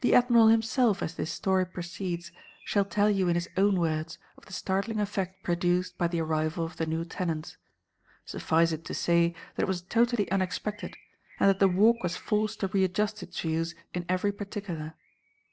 The Admiral himself as this story proceeds, shall tell you in his own words of the startling effect produced by the arrival of the new tenants. Suffice it to say that it was totally unexpected, and that the Walk was forced to readjust its views in every particular.